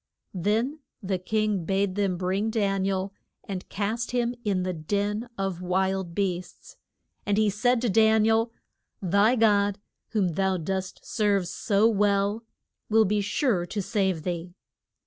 Then the king bade them bring Dan i el and cast him in the den of wild beasts. And he said to Dan i el, Thy God, whom thou dost serve so well, will be sure to save thee.